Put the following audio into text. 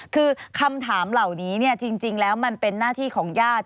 คือคำถามเหล่านี้จริงแล้วมันเป็นหน้าที่ของญาติ